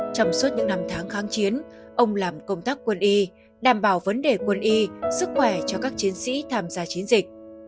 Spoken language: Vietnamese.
trong suốt những năm tháng kháng chiến ông làm công tác quân y đảm bảo vấn đề quân y sức khỏe cho các chiến sĩ tham gia chiến dịch